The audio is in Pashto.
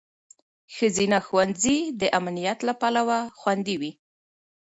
ښځینه ښوونځي د امنیت له پلوه خوندي وي.